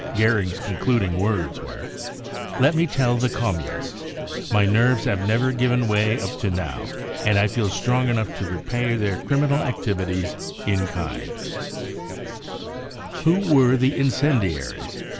Goering's concluding words were : e£ JmCI me tell the Communists : My nerves have never given way up to now, and I feel strong enough to repay their criminal activities in kind/' Who were the Incendiaries